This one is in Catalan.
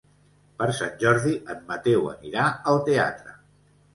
Per Sant Jordi en Mateu anirà al teatre.